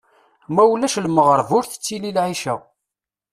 Ma ulac lmeɣreb ur tettili lɛica.